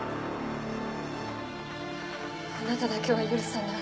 あなただけは許さない。